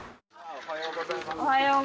おはようございます。